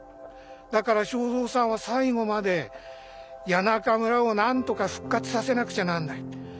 だから正造さんは最後まで谷中村をなんとか復活させなくちゃなんないって。